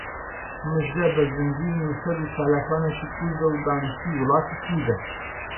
مژدە بەرزنجی نووسەر و چالاکوانێکی کوردە و دانیشتووی وڵاتی سویدە.